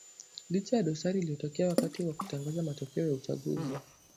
licha ya dosari iliyotokea wakati wa kutangaza matokeo ya uchaguzi